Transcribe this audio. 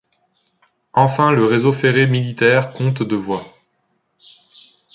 Enfin le réseau ferré militaire compte de voies.